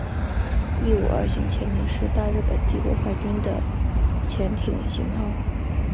伊五二型潜艇是大日本帝国海军的潜舰型号。